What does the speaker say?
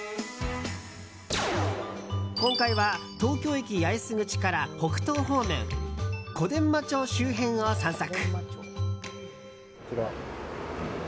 今回は東京駅八重洲口から北東方面小伝馬町周辺を散策。